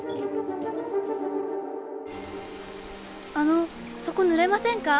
あのそこ濡れませんか？